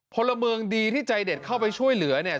พลเมืองดีที่ใจเด็ดเข้าไปช่วยเหลือเนี่ย